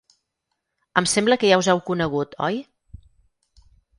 Em sembla que ja us heu conegut, oi?